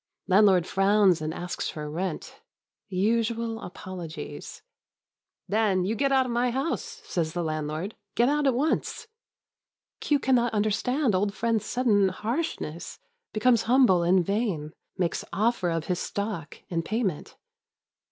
Landlord frowns and asks for rent. Usual apologies. *' Then you get out of my house," says the landlord, — "get out at once." Queue cannot understand old friend's sudden harshness, be comes humble in vain, — makes offer of his stock in payment.